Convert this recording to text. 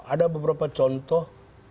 ada beberapa contoh